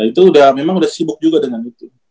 itu memang udah sibuk juga dengan itu